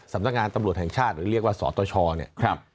ตำรวจแห่งชาติหรือเรียกว่าสตชเนี่ย